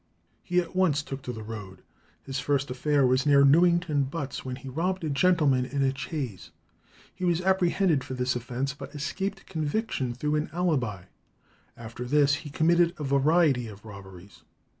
He at once took to the road. His first affair was near Newington Butts, when he robbed a gentleman in a chaise. He was apprehended for this offence, but escaped conviction through an alibi; after this he committed a variety of robberies.